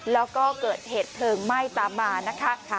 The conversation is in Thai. แล้วก็เกิดเหตุเพลิงไหม้ตามมานะคะ